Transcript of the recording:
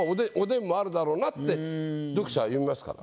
もうって読者は読みますから。